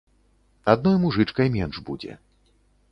Адной мужычкай менш будзе.